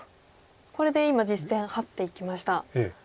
これで今実戦ハッていきました。